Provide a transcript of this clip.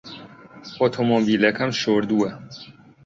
ئۆتۆمۆبیلەکەم شۆردووە.